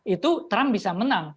itu trump bisa menang